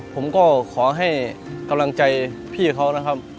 ผมก็ขอให้กำลังใจพี่เขานะครับ